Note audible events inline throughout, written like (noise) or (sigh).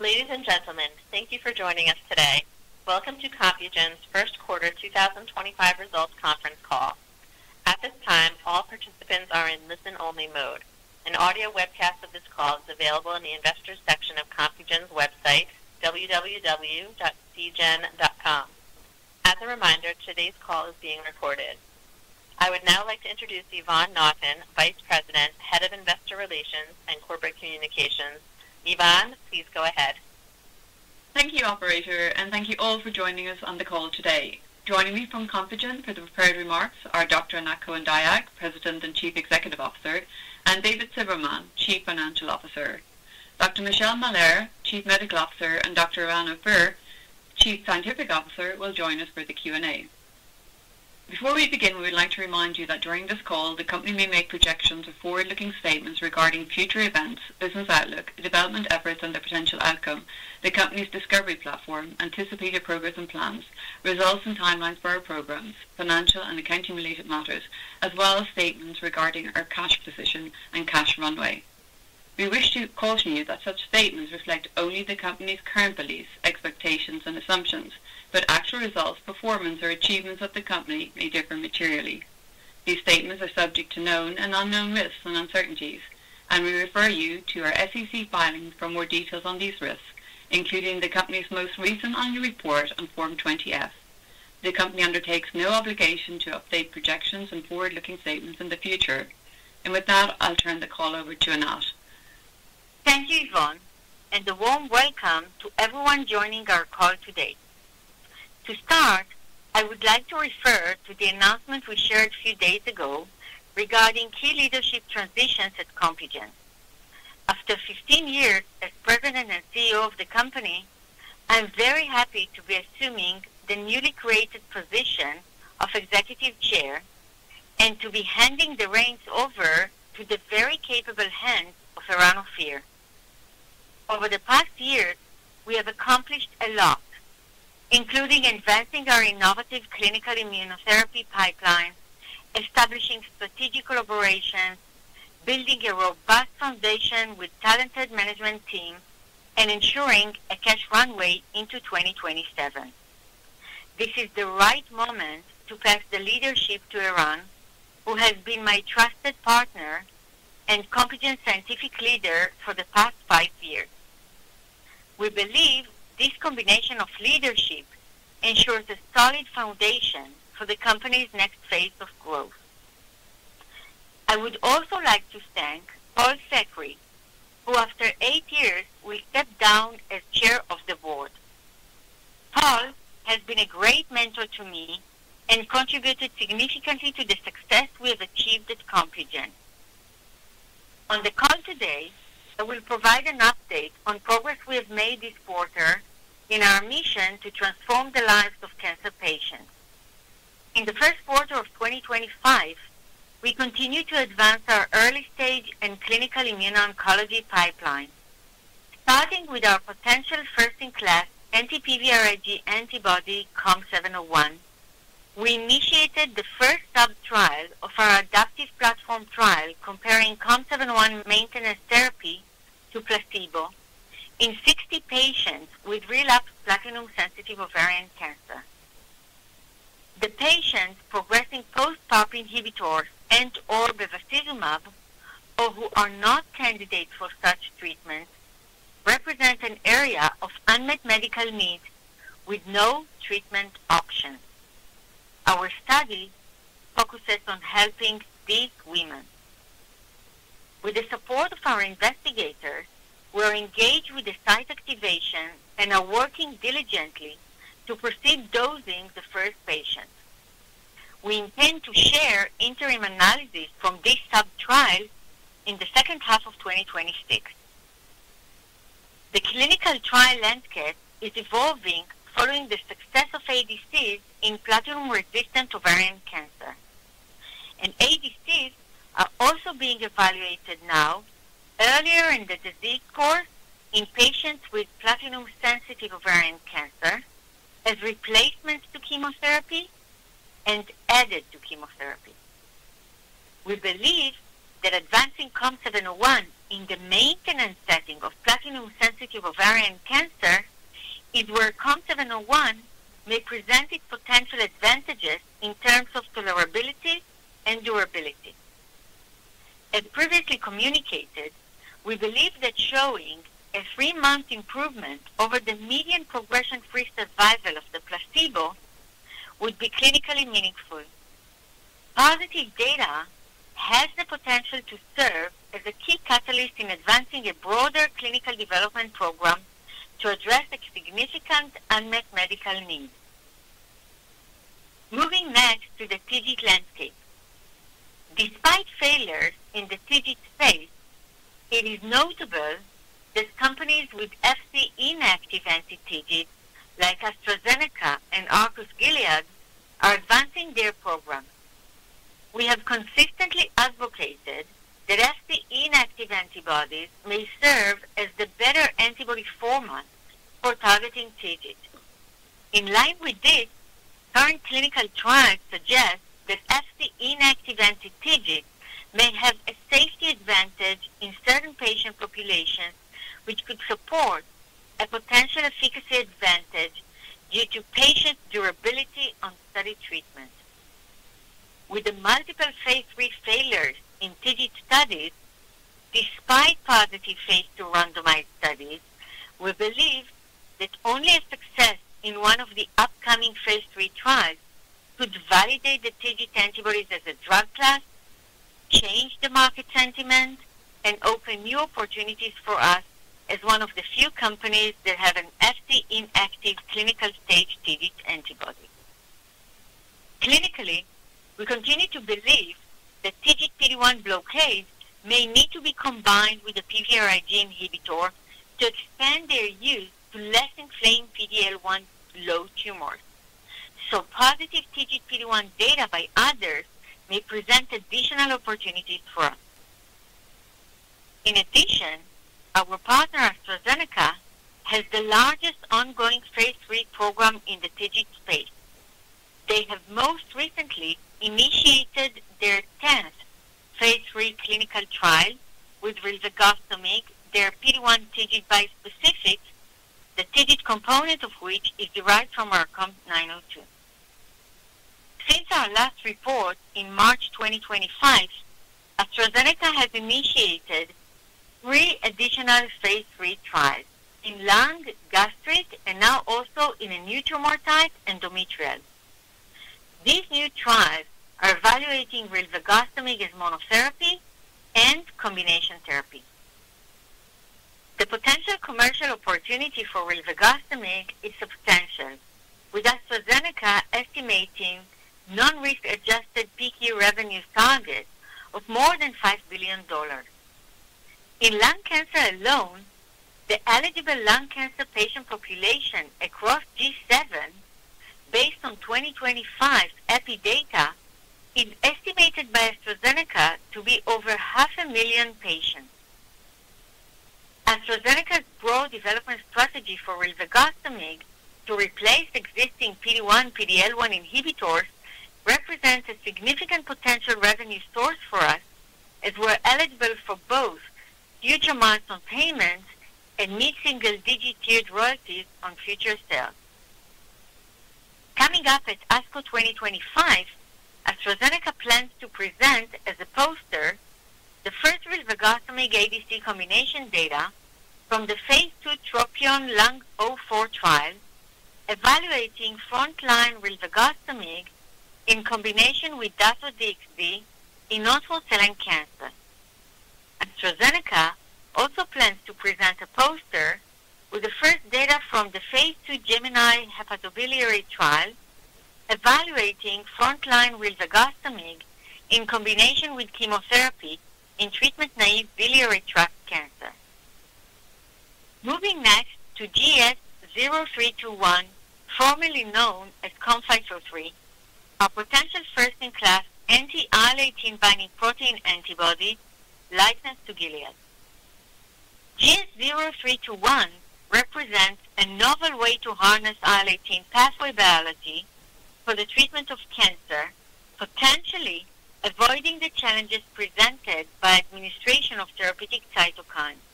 Ladies and gentlemen, thank you for joining us today. Welcome to Compugen's first quarter 2025 results conference call. At this time, all participants are in listen-only mode. An audio webcast of this call is available in the investors' section of Compugen's website, www.cgen.com. As a reminder, today's call is being recorded. I would now like to introduce Yvonne Naughton, Vice President, Head of Investor Relations and Corporate Communications. Yvonne, please go ahead. Thank you, Operator, and thank you all for joining us on the call today. Joining me from Compugen for the prepared remarks are Dr. Anat Cohen-Dayag, President and Chief Executive Officer, and David Silberman, Chief Financial Officer. Dr. Michelle Mahler, Chief Medical Officer, and Dr. Eran Ophir, Chief Scientific Officer, will join us for the Q&A. Before we begin, we would like to remind you that during this call, the company may make projections or forward-looking statements regarding future events, business outlook, development efforts, and the potential outcome, the company's discovery platform, anticipated progress and plans, results and timelines for our programs, financial and accounting-related matters, as well as statements regarding our cash position and cash runway. We wish to caution you that such statements reflect only the company's current beliefs, expectations, and assumptions, but actual results, performance, or achievements of the company may differ materially. These statements are subject to known and unknown risks and uncertainties, and we refer you to our SEC filings for more details on these risks, including the company's most recent annual report on Form 20F. The company undertakes no obligation to update projections and forward-looking statements in the future. I'll turn the call over to Anat. Thank you, Yvonne, and a warm welcome to everyone joining our call today. To start, I would like to refer to the announcement we shared a few days ago regarding key leadership transitions at Compugen. After 15 years as President and CEO of the company, I'm very happy to be assuming the newly created position of Executive Chair and to be handing the reins over to the very capable hands of Eran Ophir. Over the past year, we have accomplished a lot, including advancing our innovative clinical immunotherapy pipeline, establishing strategic collaborations, building a robust foundation with a talented management team, and ensuring a cash runway into 2027. This is the right moment to pass the leadership to Eran, who has been my trusted partner and Compugen's scientific leader for the past five years. We believe this combination of leadership ensures a solid foundation for the company's next phase of growth. I would also like to thank Paul Sekhri, who, after eight years, will step down as Chair of the board. Paul has been a great mentor to me and contributed significantly to the success we have achieved at Compugen. On the call today, I will provide an update on progress we have made this quarter in our mission to transform the lives of cancer patients. In the first quarter of 2025, we continue to advance our early-stage and clinical immuno-oncology pipeline. Starting with our potential first-in-class Anti-PVRIG antibody, COM701, we initiated the first sub-trial of our adaptive platform trial comparing COM701 maintenance therapy to placebo in 60 patients with relapsed platinum-sensitive ovarian cancer. The patients progressing post-PARP inhibitors and/or bevacizumab, or who are not candidates for such treatment, represent an area of unmet medical need with no treatment option. Our study focuses on helping these women. With the support of our investigators, we are engaged with the site activation and are working diligently to proceed dosing the first patients. We intend to share interim analysis from these sub-trials in the second half of 2026. The clinical trial landscape is evolving following the success of ADCs in platinum-resistant ovarian cancer. ADCs are also being evaluated now, earlier in the disease course, in patients with platinum-sensitive ovarian cancer, as replacements to chemotherapy and added to chemotherapy. We believe that advancing COM701 in the maintenance setting of platinum-sensitive ovarian cancer is where COM701 may present its potential advantages in terms of tolerability and durability. As previously communicated, we believe that showing a three-month improvement over the median progression-free survival of the placebo would be clinically meaningful. Positive data has the potential to serve as a key catalyst in advancing a broader clinical development program to address significant unmet medical needs. Moving next to the TIGIT landscape. Despite failures in the TIGIT space, it is notable that companies with FCE inactive anti-TIGIT, like AstraZeneca and Arcus Gilead, are advancing their programs. We have consistently advocated that FCE inactive antibodies may serve as the better antibody format for targeting TGIT. In line with this, current clinical trials suggest that FCE inactive anti-TiGIT may have a safety advantage in certain patient populations, which could support a potential efficacy advantage due to patient durability on study treatment. With the multiple phase III failures in TIGIT studies, despite positive phase II randomized studies, we believe that only a success in one of the upcoming phase III trials could validate the TIGIT antibodies as a drug class, change the market sentiment, and open new opportunities for us as one of the few companies that have an FCE inactive clinical stage TIGIT antibody. Clinically, we continue to believe that TIGIT PD-1 blockade may need to be combined with a PVRIG inhibitor to expand their use to less inflamed PD-L1 low tumors. Positive TIGIT PD-1 data by others may present additional opportunities for us. In addition, our partner AstraZeneca has the largest ongoing phase III program in the TIGIT space. They have most recently initiated their 10th phase III clinical trial with rizagostamine, their PD-1 TIGIT bispecific, the TIGIT component of which is derived from our COM902. Since our last report in March 2025, AstraZeneca has initiated three additional phase III trials in lung, gastric, and now also in endometrial. These new trials are evaluating rizagostamine as monotherapy and combination therapy. The potential commercial opportunity for rizagostamine is substantial, with AstraZeneca estimating non-risk-adjusted peak year revenue targets of more than $5 billion. In lung cancer alone, the eligible lung cancer patient population across G7, based on 2025 epidata, is estimated by AstraZeneca to be over 500,000 patients. AstraZeneca's broad development strategy for rizagostamine to replace existing PD-1, PD-L1 inhibitors represents a significant potential revenue source for us, as we're eligible for both future milestone payments and mid single-digit tiered royalties on future sales. Coming up at ASCO 2025, AstraZeneca plans to present, as a poster, the first rilvegostomig ADC combination data from the phase II TROPION-Lung04 trial, evaluating frontline rilvegostomig in combination with Dato-DXd in non-small cell lung cancer. AstraZeneca also plans to present a poster with the first data from the phase II Gemini hepatobiliary trial, evaluating frontline rilvegostomig in combination with chemotherapy in treatment-naive biliary tract cancer. Moving next to GS0321, formerly known as COM503, our potential first-in-class anti-IL-18 binding protein antibody licensed to Gilead. GS0321 represents a novel way to harness IL-18 pathway biology for the treatment of cancer, potentially avoiding the challenges presented by administration of therapeutic cytokines.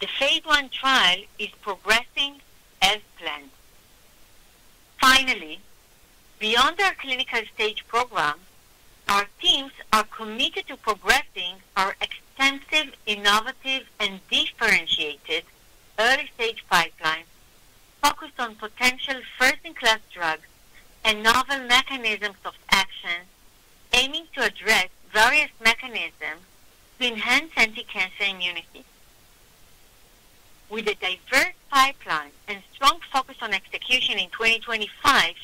The phase I trial is progressing as planned. Finally, beyond our clinical stage program, our teams are committed to progressing our extensive, innovative, and differentiated early-stage pipeline focused on potential first-in-class drugs and novel mechanisms of action, aiming to address various mechanisms to enhance anti-cancer immunity. With a diverse pipeline and strong focus on execution in 2025,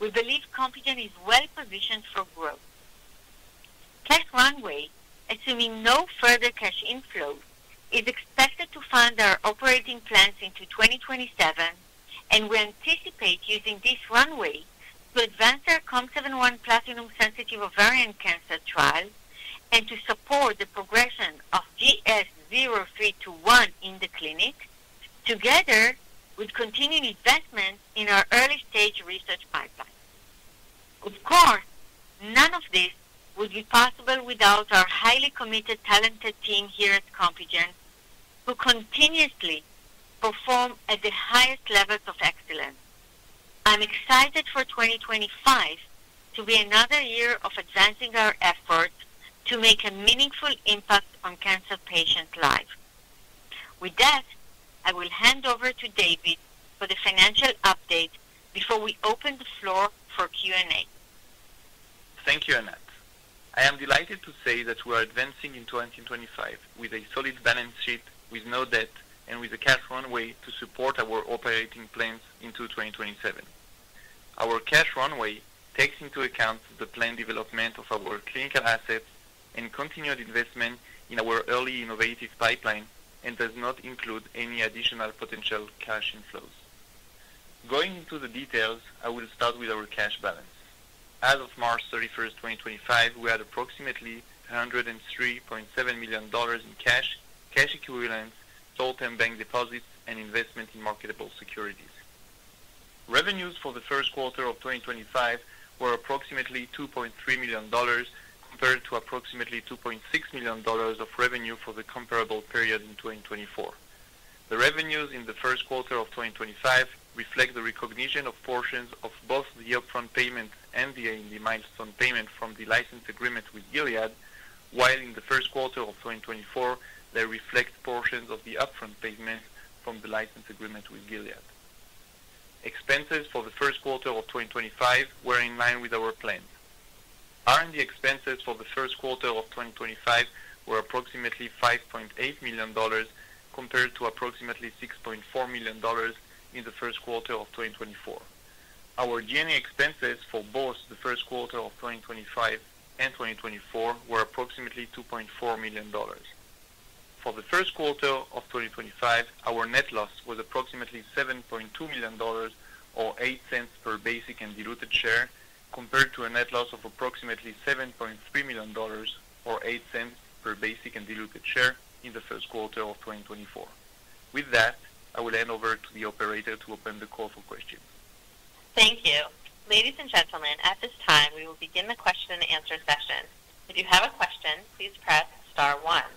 we believe Compugen is well-positioned for growth. Cash runway, assuming no further cash inflow, is expected to fund our operating plans into 2027, and we anticipate using this runway to advance our COM701 platinum-sensitive ovarian cancer trial and to support the progression of GS0321 in the clinic, together with continuing investment in our early-stage research pipeline. Of course, none of this would be possible without our highly committed, talented team here at Compugen, who continuously perform at the highest levels of excellence. I'm excited for 2025 to be another year of advancing our efforts to make a meaningful impact on cancer patients' lives. With that, I will hand over to David for the financial update before we open the floor for Q&A. Thank you, Anat. I am delighted to say that we are advancing in 2025 with a solid balance sheet, with no debt, and with a cash runway to support our operating plans into 2027. Our cash runway takes into account the planned development of our clinical assets and continued investment in our early innovative pipeline and does not include any additional potential cash inflows. Going into the details, I will start with our cash balance. As of March 31st, 2025, we had approximately $103.7 million in cash, cash equivalents, short-term bank deposits, and investment in marketable securities. Revenues for the first quarter of 2025 were approximately $2.3 million compared to approximately $2.6 million of revenue for the comparable period in 2024. The revenues in the first quarter of 2025 reflect the recognition of portions of both the upfront payment and the milestone payment from the license agreement with Gilead, while in the first quarter of 2024, they reflect portions of the upfront payment from the license agreement with Gilead. Expenses for the first quarter of 2025 were in line with our plans. R&D expenses for the first quarter of 2025 were approximately $5.8 million compared to approximately $6.4 million in the first quarter of 2024. Our G&A expenses for both the first quarter of 2025 and 2024 were approximately $2.4 million. For the first quarter of 2025, our net loss was approximately $7.2 million, or $0.08 per basic and diluted share, compared to a net loss of approximately $7.3 million, or $0.08 per basic and diluted share, in the first quarter of 2024. With that, I will hand over to the operator to open the call for questions. Thank you. Ladies and gentlemen, at this time, we will begin the question-and-answer session. If you have a question, please press star one.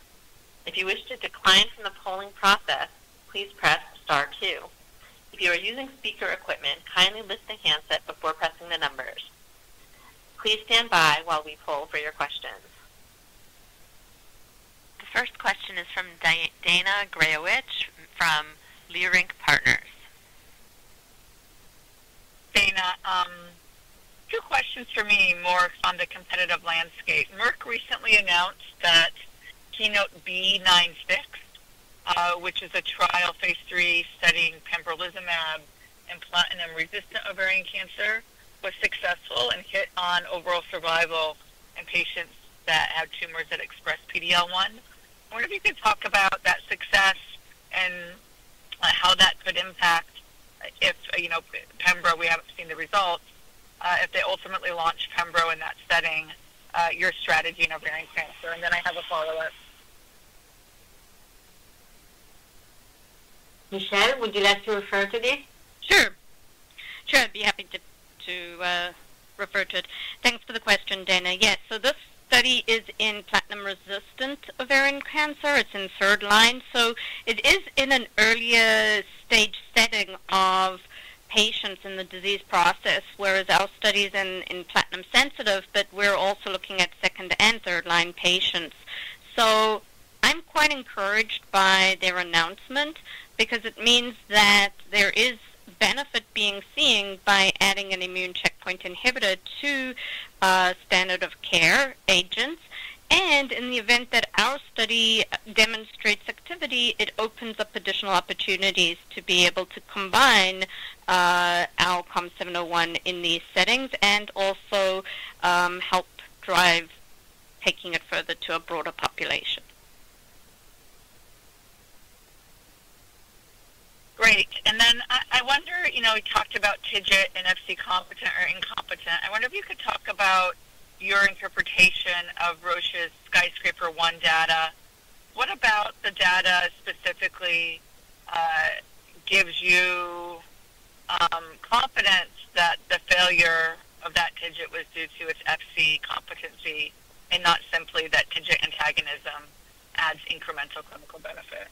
If you wish to decline from the polling process, please press star two. If you are using speaker equipment, kindly lift the handset before pressing the numbers. Please stand by while we poll for your questions. The first question is from Dana Graybosch from Leerink Partners. Daina, two questions for me more on the competitive landscape. Merck recently announced that KEYNOTE-B96, which is a phase III trial studying pembrolizumab in platinum-resistant ovarian cancer, was successful and hit on overall survival in patients that had tumors that expressed PD-L1. I wonder if you could talk about that success and how that could impact if Pembro, we have not seen the results, if they ultimately launch Pembro in that setting, your strategy in ovarian cancer. I have a follow-up. Michelle, would you like to refer to this? Sure. I'd be happy to refer to it. Thanks for the question, Daina. Yes, this study is in platinum-resistant ovarian cancer. It's in third line. It is in an earlier stage setting of patients in the disease process, whereas our study is in platinum-sensitive, but we're also looking at second and third line patients. I'm quite encouraged by their announcement because it means that there is benefit being seen by adding an immune checkpoint inhibitor to standard of care agents. In the event that our study demonstrates activity, it opens up additional opportunities to be able to combine our COM701 in these settings and also help drive taking it further to a broader population. Great. I wonder, we talked about TIGIT and FCE competent or incompetent. I wonder if you could talk about your interpretation of Roche's Skyscraper-01 data. What about the data specifically gives you confidence that the failure of that TIGIT was due to its FCE competency and not simply that TIGIT antagonism adds incremental clinical benefit?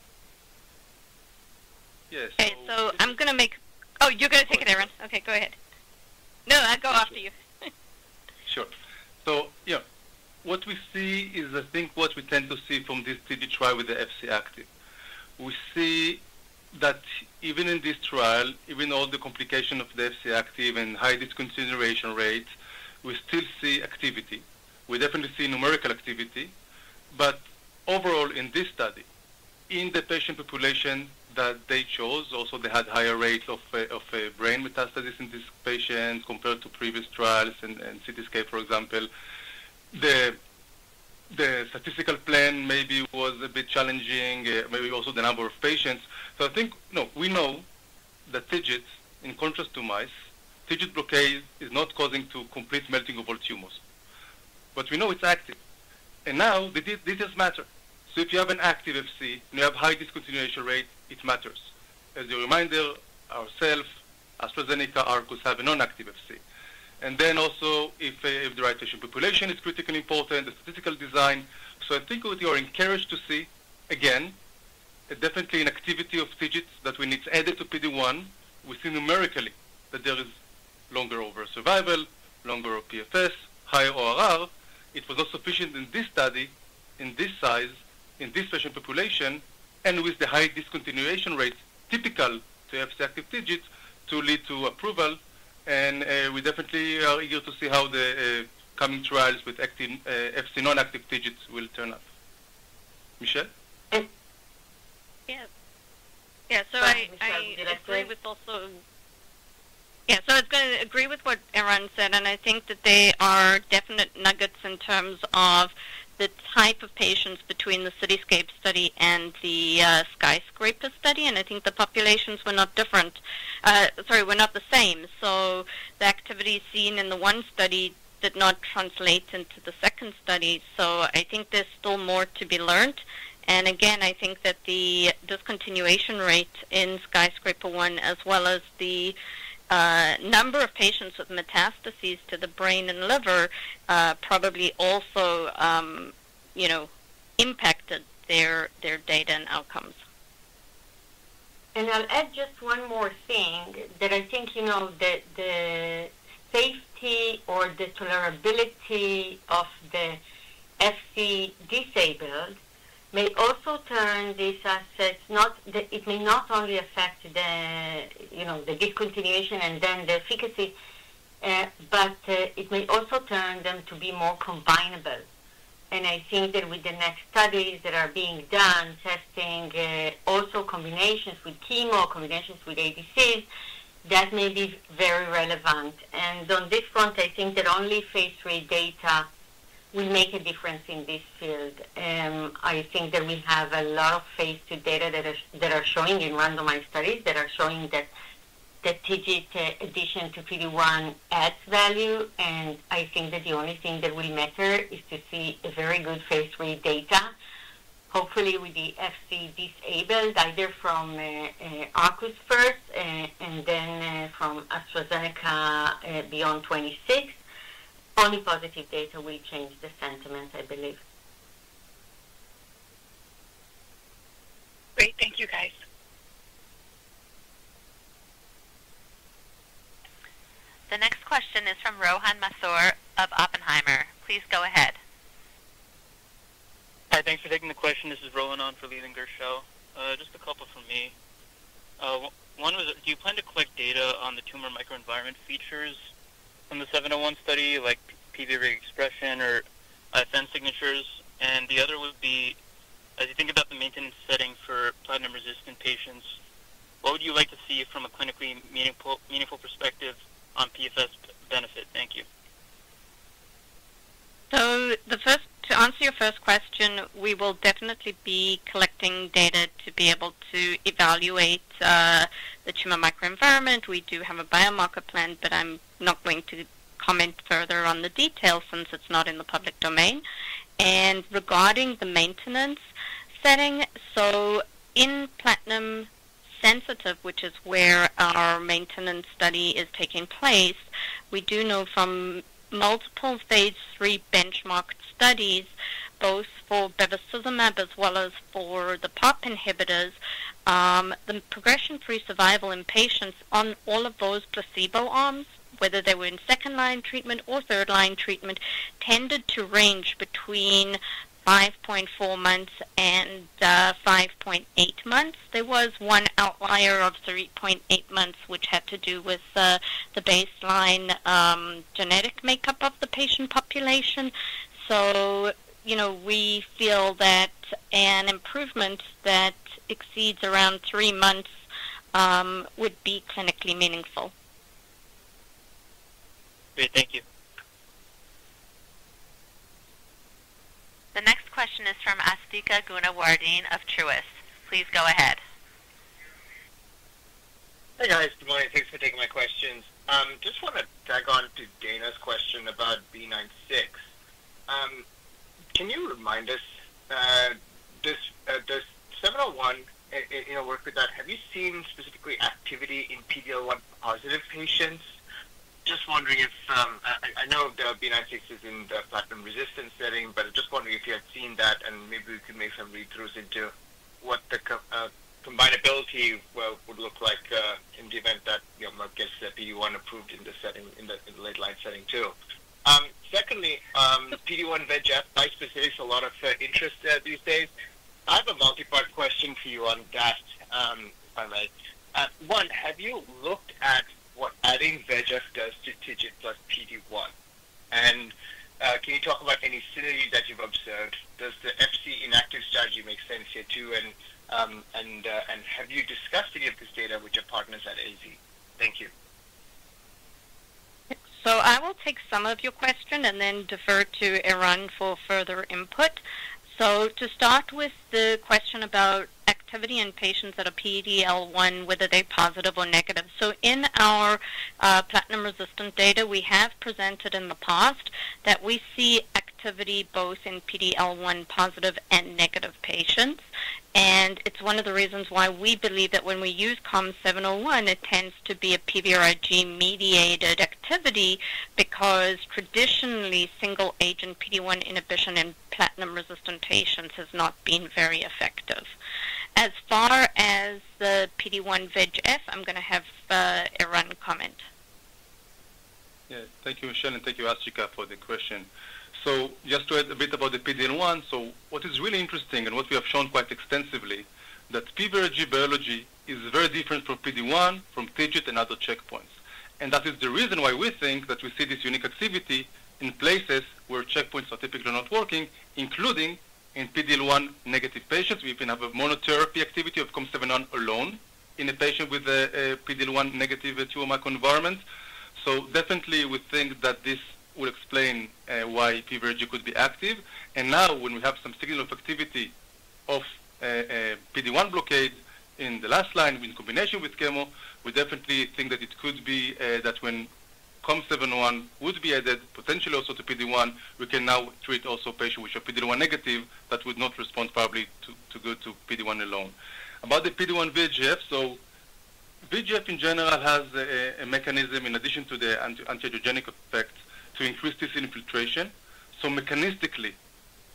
Yes. Okay. I'm going to make—oh, you're going to take it, Eran. Okay. Go ahead. No, I'll go after you. Sure. What we see is, I think what we tend to see from this TIGIT trial with the FCE active. We see that even in this trial, even with all the complications of the FCE active and high discontinuation rates, we still see activity. We definitely see numerical activity. Overall, in this study, in the patient population that they chose, also they had higher rates of brain metastasis in these patients compared to previous trials and CT scape, for example. The statistical plan maybe was a bit challenging, maybe also the number of patients. I think we know that TIGIT, in contrast to mice, TIGIT blockade is not causing complete melting of all tumors. We know it is active. This does matter. If you have an active FCE and you have high discontinuation rate, it matters. As a reminder, ourselves, AstraZeneca, Arcus have a non-active FCE. If the right patient population is critically important, the statistical design. I think what you are encouraged to see, again, definitely an activity of TIGIT that when it's added to PD-1, we see numerically that there is longer overall survival, longer PFS, higher ORR. It was not sufficient in this study, in this size, in this patient population, and with the high discontinuation rates typical to FCE active TIGIT to lead to approval. We definitely are eager to see how the coming trials with active FCE non-active TIGIT will turn out. Michelle? Yeah. Yeah. I agree with also—yeah. I was going to agree with what Eran said. I think that there are definite nuggets in terms of the type of patients between the CT scape study and the Skyscraper study. I think the populations were not different—sorry, were not the same. The activity seen in the one study did not translate into the second study. I think there is still more to be learned. Again, I think that the discontinuation rate in Skyscraper-01, as well as the number of patients with metastases to the brain and liver, probably also impacted their data and outcomes. I'll add just one more thing that I think the safety or the tolerability of the FCE inactive may also turn these assets—it may not only affect the discontinuation and then the efficacy, but it may also turn them to be more combinable. I think that with the next studies that are being done, testing also combinations with chemo, combinations with ADCs, that may be very relevant. On this front, I think that only phase III data will make a difference in this field. I think that we have a lot of phase II data that are showing in randomized studies that are showing that the TIGIT addition to PD-1 adds value. I think that the only thing that will matter is to see very good phase III data, hopefully with the FCE inactive, either from Arcus first and then from AstraZeneca beyond 2026. Only positive data will change the sentiment, I believe. Great. Thank you, guys. The next question is from Rohan Mathur of Oppenheimer. Please go ahead. Hi. Thanks for taking the question. This is Rohan. (audio distortion) Just a couple from me. One was, do you plan to collect data on the tumor microenvironment features from the 701 study, like PVRIG expression or IFN signatures? The other would be, as you think about the maintenance setting for platinum-resistant patients, what would you like to see from a clinically meaningful perspective on PFS benefit? Thank you. To answer your first question, we will definitely be collecting data to be able to evaluate the tumor microenvironment. We do have a biomarker plan, but I'm not going to comment further on the details since it's not in the public domain. Regarding the maintenance setting, in platinum-sensitive, which is where our maintenance study is taking place, we do know from multiple phase III benchmark studies, both for bevacizumab as well as for the PARP inhibitors, the progression-free survival in patients on all of those placebo arms, whether they were in second-line treatment or third-line treatment, tended to range between 5.4 months-5.8 months. There was one outlier of 3.8 months, which had to do with the baseline genetic makeup of the patient population. We feel that an improvement that exceeds around three months would be clinically meaningful. Great. Thank you. The next question is from Asthika Goonewardene of Truist. Please go ahead. Hey, guys. Good morning. Thanks for taking my questions. Just want to tag on to Daina's question about B96. Can you remind us, does 701 work with that? Have you seen specifically activity in PD-L1 positive patients? Just wondering if I know the B96 is in the platinum-resistant setting, but I'm just wondering if you had seen that and maybe we could make some read-throughs into what the combinability would look like in the event that Merck gets the PD-1 approved in the late-line setting too. Secondly, PD-1 VEGF, Vice specifics, a lot of interest these days. I have a multi-part question for you on that, if I may. One, have you looked at what adding VEGF does to TIGIT plus PD-1? And can you talk about any synergy that you've observed? Does the FCE inactive strategy make sense here too? And have you discussed any of this data with your partners at AZ? Thank you. I will take some of your questions and then defer to Eran for further input. To start with the question about activity in patients that are PD-L1, whether they are positive or negative. In our platinum-resistant data, we have presented in the past that we see activity both in PD-L1 positive and negative patients. It is one of the reasons why we believe that when we use COM701, it tends to be a PVRIG-mediated activity because traditionally, single-agent PD-1 inhibition in platinum-resistant patients has not been very effective. As far as the PD-1 VEGF, I am going to have Eran comment. Yeah. Thank you, Michelle, and thank you, Asthika, for the question. Just to add a bit about the PD-L1, what is really interesting and what we have shown quite extensively is that PVRIG biology is very different from PD-1, from TIGIT, and other checkpoints. That is the reason why we think that we see this unique activity in places where checkpoints are typically not working, including in PD-L1 negative patients. We even have a monotherapy activity of COM701 alone in a patient with a PD-L1 negative tumor microenvironment. Definitely, we think that this will explain why PVRIG could be active. Now, when we have some signal of activity of PD-1 blockade in the last line in combination with chemo, we definitely think that it could be that when COM701 would be added potentially also to PD-1, we can now treat also patients which are PD-L1 negative that would not respond probably too good to PD-1 alone. About the PD-1 VEGF, VEGF in general has a mechanism in addition to the anti-angiogenic effect to increase TC infiltration. Mechanistically,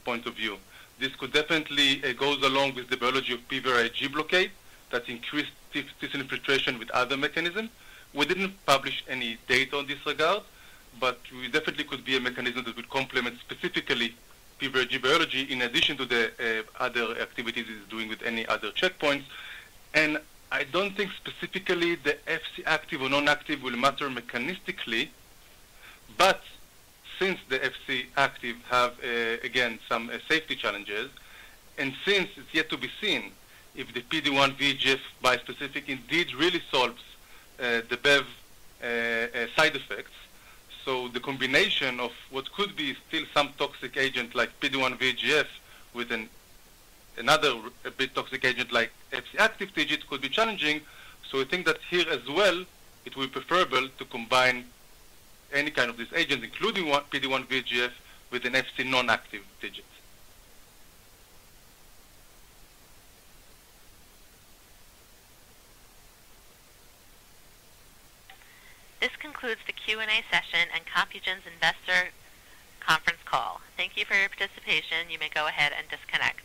point of view, this could definitely go along with the biology of PVRIG blockade that increased TC infiltration with other mechanisms. We did not publish any data on this regard, but it definitely could be a mechanism that would complement specifically PVRIG biology in addition to the other activities it is doing with any other checkpoints. I don't think specifically the FCE active or non-active will matter mechanistically, but since the FCE active have, again, some safety challenges. Since it's yet to be seen if the PD-1 VEGF bispecific indeed really solves the BEV side effects, the combination of what could be still some toxic agent like PD-1 VEGF with another bit toxic agent like FCE active TIGIT could be challenging. We think that here as well, it will be preferable to combine any kind of these agents, including PD-1 VEGF, with an FCE non-active TIGIT. This concludes the Q&A session and Compugen's investor conference call. Thank you for your participation. You may go ahead and disconnect.